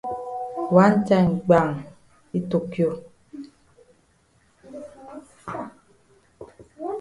Wan time gbam yi tokio.